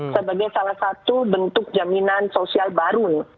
sebagai salah satu bentuk jaminan sosial baru nih